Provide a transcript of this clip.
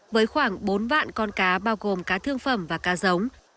với khoảng bốn vạn con cá bao gồm cá thương phẩm và cá giống